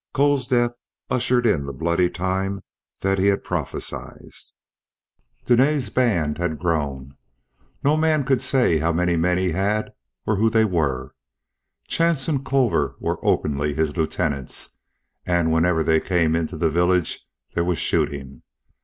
Cole's death ushered in the bloody time that he had prophesied. Dene's band had grown; no man could say how many men he had or who they were. Chance and Culver were openly his lieutenants, and whenever they came into the village there was shooting.